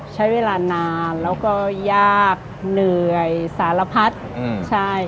ใช้เวลานานแล้วก็ยากเหนื่อยสารพัดใช่